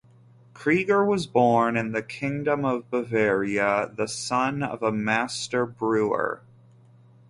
Krieger was born in the Kingdom of Bavaria, the son of a master brewer.